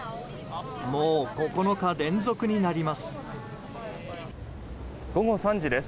もう９日連続になります。